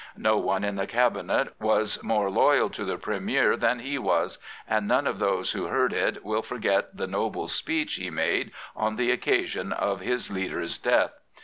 No one in the Cabinet was more loyal to the Premier than he was, and none of those who heard it will forget the noble speech he made on the occasion of his leader's death.